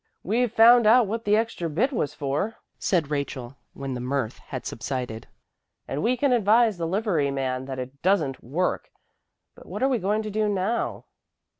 "We've found out what that extra bit was for," said Rachel when the mirth had subsided, "and we can advise the liveryman that it doesn't work. But what are we going to do now?"